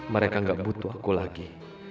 mereka gak butuh aku lagi